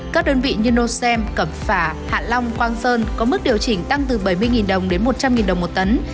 các đơn vị như nosem cẩm phả hạ long quang sơn có mức điều chỉnh tăng từ bảy mươi đồng đến một trăm linh đồng một tấn